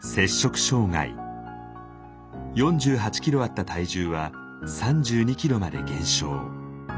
４８ｋｇあった体重は３２ｋｇまで減少。